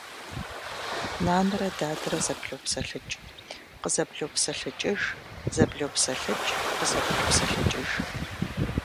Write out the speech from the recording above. Нанэрэ дадэрэ зэблопсэлъыкӏ – къызэблопсэлъыкӏыж, зэблопсэлъыкӏ – къызэблопсэлъыкӏыж.